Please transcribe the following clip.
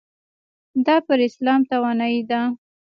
دا پر اسلام توانایۍ ده.